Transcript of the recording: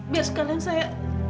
biar sekalian saya